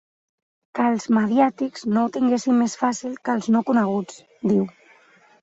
Que els “mediàtics” no ho tinguessin més fàcil que els no coneguts, diu.